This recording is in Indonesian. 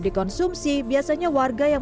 dikonsumsi biasanya warga yang